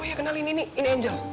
oh ya kenalin ini ini angel